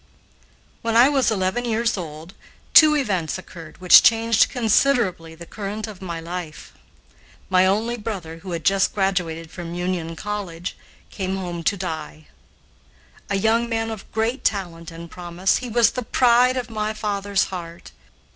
When I was eleven years old, two events occurred which changed considerably the current of my life. My only brother, who had just graduated from Union College, came home to die. A young man of great talent and promise, he was the pride of my father's heart.